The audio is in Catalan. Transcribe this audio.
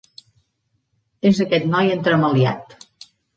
És aquest noi entremaliat.